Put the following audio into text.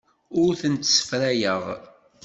Ur tent-ssefrayeɣ.